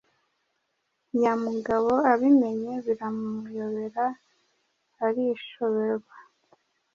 Nyamugabo abimenye biramuyobera arshoberwa